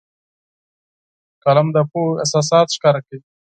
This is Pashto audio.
قلم د پوهې اساسات ښکاره کوي